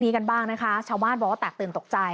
กันบ้างนะคะชาวบ้านบอกว่าแตกตื่นตกใจ